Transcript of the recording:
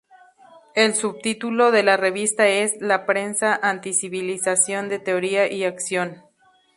El subtítulo de la revista es ""La Prensa Anti-Civilización de Teoría y Acción"".